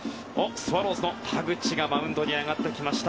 スワローズの田口がマウンドに上がってきました。